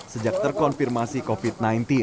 sejak terkonfirmasi covid sembilan belas